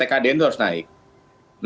nah karena menyangkut masalah ketersediaan